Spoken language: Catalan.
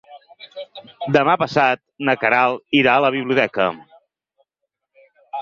Demà passat na Queralt irà a la biblioteca.